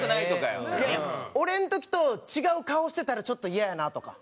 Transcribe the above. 俺の時と違う顔してたらちょっとイヤやなとか。